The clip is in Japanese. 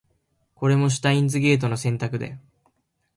これもシュタインズゲートの選択だよ